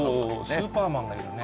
スーパーマンがいるね。